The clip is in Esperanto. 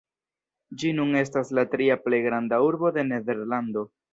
Ĝi nun estas la tria plej granda urbo de Nederlando.